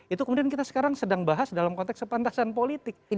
itu kemudian kita sekarang sedang bahas dalam konteks kepantasan politik